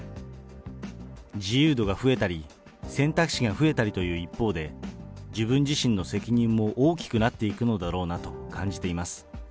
自由度が増えたり、選択肢が増えたりという一方で、自分自身の責任も大きくなっていくのだろうなと感じています。